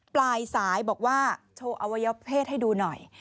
ปลายสายบอกว่าโชว์อวัยวะเพศให้ดูหน่อย